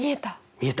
見えた！